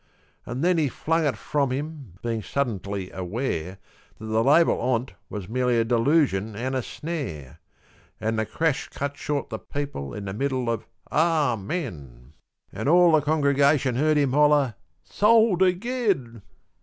An' then he flung it from him, bein' suddintly aware That the label on't was merely a deloosion an' a snare; An' the crash cut short the people in the middle of "A men," An' all the congregation heard him holler "Sold again!"